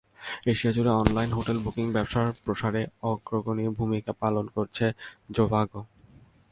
এশিয়াজুড়ে online hotel booking ব্যবসার প্রসারে অগ্রণী ভূমিকা পালন করছে জোভাগো।